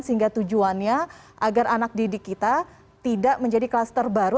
sehingga tujuannya agar anak didik kita tidak menjadi kluster baru